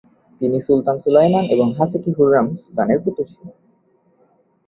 তিনি Sultan Suleiman এবং Haseki Hurrem সুলতানের পুত্র ছিলেন।